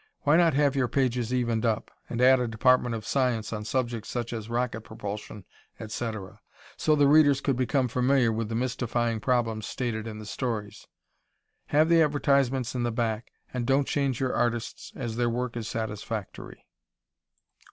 Why not have your pages evened up, and add a department of science on subjects such as Rocket Propulsion etc., so the readers could become familiar with the mystifying problems stated in the stories? Have the advertisements in the back, and don't change your artists as their work is satisfactory.